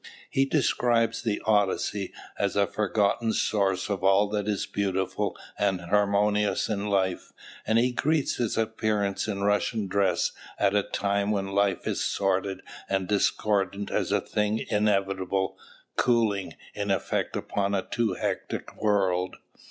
He describes the "Odyssey" as the forgotten source of all that is beautiful and harmonious in life, and he greets its appearance in Russian dress at a time when life is sordid and discordant as a thing inevitable, "cooling" in effect upon a too hectic world.